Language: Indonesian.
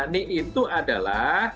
nah nik itu adalah